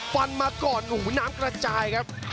มาก่อนโอ้โหน้ำกระจายครับ